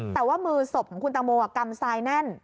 แต่ว่ามือศพของคุณตังโมกำทรายแน่น